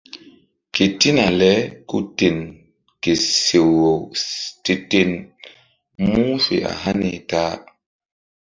Ketina le ku ten ke seh-aw te-ten mu̧h fe hani ta-a.